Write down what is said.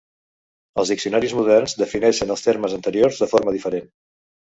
Els diccionaris moderns defineixen els termes anteriors de forma diferent.